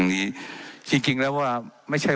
ว่าการกระทรวงบาทไทยนะครับ